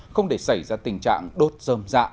không để xảy ra tình trạng đốt rơm dạ